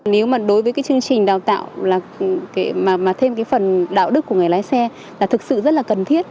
nếu mà đối với cái chương trình đào tạo là thêm cái phần đạo đức của người lái xe là thực sự rất là cần thiết